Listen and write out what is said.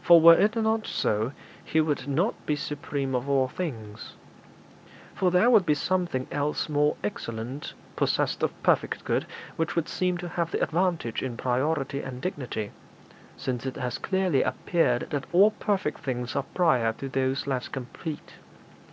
For were it not so, He would not be supreme of all things; for there would be something else more excellent, possessed of perfect good, which would seem to have the advantage in priority and dignity, since it has clearly appeared that all perfect things are prior to those less complete.